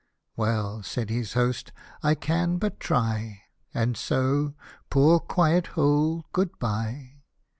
'' Well," said his host, " I can but try, And so, poor quiet hole, good bye!"